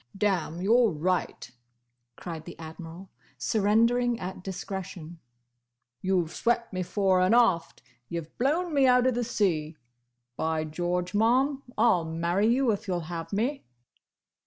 "Damme, you 're right!" cried the Admiral, surrendering at discretion. "You've swept me fore and aft! You've blown me out of the sea! By George, Ma'am, I 'll marry you if you 'll have me!"